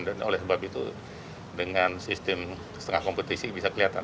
dan oleh sebab itu dengan sistem setengah kompetisi bisa kelihatan